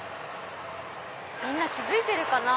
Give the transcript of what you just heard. みんな気付いてるかな？